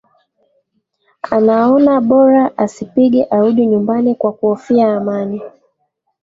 anaona bora asipige arudi nyumbani kwa kuhofia amani